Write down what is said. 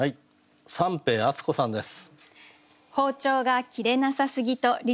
三瓶敦子さんです。